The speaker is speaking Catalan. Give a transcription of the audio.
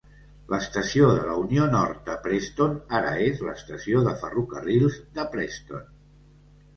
L'estació de la Unió Nord de Preston ara és l'estació de ferrocarrils de Preston.